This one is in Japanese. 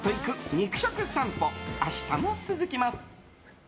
肉食さんぽ、明日も続きます。